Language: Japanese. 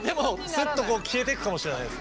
すっとこう消えてくかもしれないです。